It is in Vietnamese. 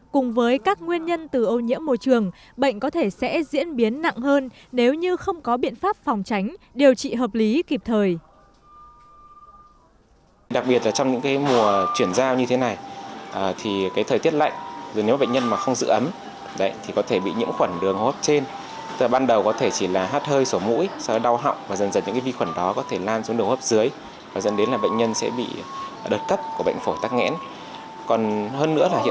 cùng với các nguyên nhân từ ô nhiễm môi trường bệnh có thể sẽ diễn biến nặng hơn nếu như không có biện pháp phòng tránh điều trị hợp lý kịp thời